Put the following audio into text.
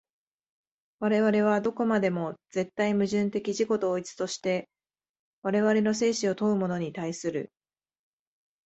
我々はどこまでも絶対矛盾的自己同一として我々の生死を問うものに対する。